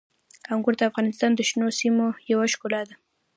انګور د افغانستان د شنو سیمو یوه ښکلا ده.